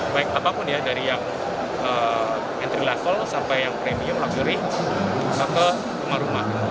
baik apapun ya dari yang entry level sampai yang premium luxury ke rumah rumah